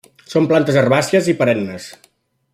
Són plantes herbàcies i perennes.